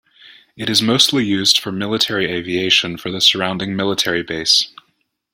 It is mostly used for military aviation for the surrounding military base.